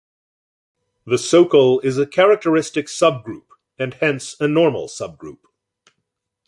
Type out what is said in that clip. The socle is a characteristic subgroup, and hence a normal subgroup.